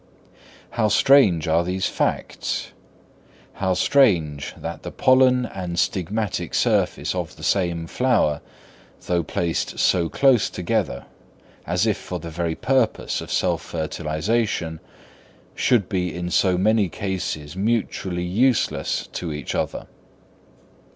How strange are these facts! How strange that the pollen and stigmatic surface of the same flower, though placed so close together, as if for the very purpose of self fertilisation, should be in so many cases mutually useless to each other!